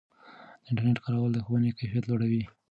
د انټرنیټ کارول د ښوونې کیفیت لوړوي.